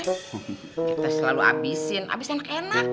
kita selalu habisin abis enak enak